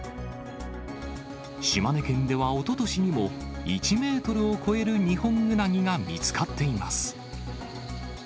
島根県ではおととしにも、１メートルを超えるニホンウナギが見つかっています。